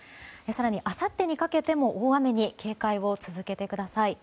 更にあさってにかけても大雨に警戒を続けてください。